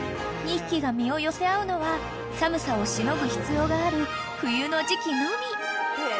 ［２匹が身を寄せ合うのは寒さをしのぐ必要がある冬の時季のみ］